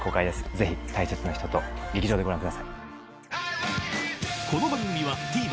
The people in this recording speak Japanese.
ぜひ大切な人と劇場でご覧ください。